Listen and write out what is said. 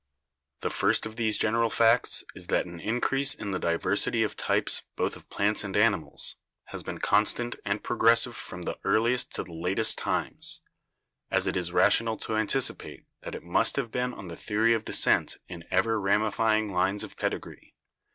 The first of these general facts is that an increase Fig. 25 — Virginia Opossum, an American Marsupial. in the diversity of types both of plants and animals has been constant and progressive from the earliest to the latest times, as it is rational to anticipate that it must have been on the theory of descent in ever ramifying lines of pedigree.